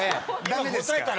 ダメですか？